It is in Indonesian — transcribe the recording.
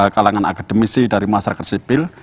kalangan akademisi dari masyarakat sipil